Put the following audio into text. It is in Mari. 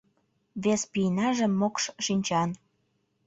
Вес пийнаже мокш шинчан.